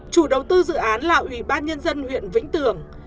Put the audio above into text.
chủ đầu tư dự án là ủy ban nhân dân huyện vĩnh tường